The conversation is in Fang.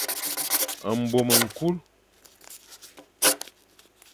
Mbom ñkul.